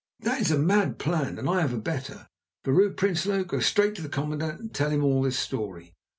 That is a mad plan, and I have a better. Vrouw Prinsloo, go straight to the commandant and tell him all this story.